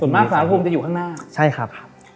ส่วนมากสารภูมิจะอยู่ข้างหน้าใช่ครับ